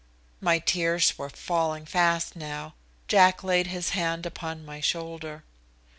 My tears were falling fast now. Jack laid his hand upon my shoulder.